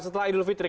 setelah idul fitri